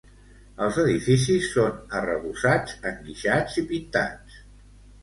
Els edificis són arrebossats, enguixats i pintats.